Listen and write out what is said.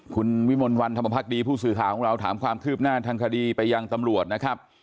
คุณวิมลวันธรรมภักดีผู้สื่อข่าวของเราถามความคืบหน้าทางคดีไปยังตำรวจนะครับ